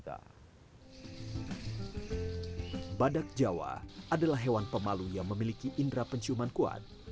badak jawa adalah hewan pemalu yang memiliki indera penciuman kuat